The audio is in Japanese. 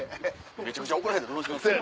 めちゃくちゃ怒られたらどうします？